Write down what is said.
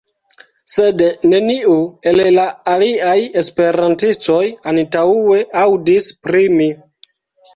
Sed, neniu el la aliaj Esperantistoj antaŭe aŭdis pri mi.